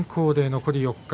残り４日。